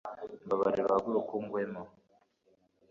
mbabarira uhaguruke ugwemo